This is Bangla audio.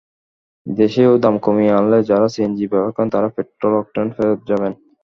দেশেও দাম কমিয়ে আনলে যাঁরা সিএনজি ব্যবহার করেন, তাঁরা পেট্রল-অকটেনে ফেরত যাবেন।